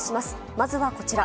まずはこちら。